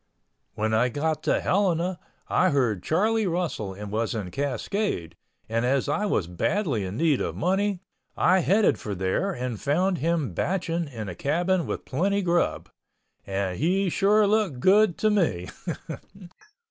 When I got to Helena I heard Charlie Russell was in Cascade and as I was badly in need of money, I headed for there and found him batching in a cabin with plenty grub—and he sure looked good to me.